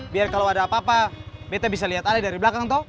biar kalau ada apa apa beta bisa liat ali dari belakang tau